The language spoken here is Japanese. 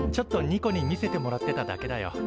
ニコに見せてもらってただけだよ。